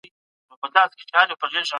د محاصرې پر مهال څه ستونزې پیدا سوې؟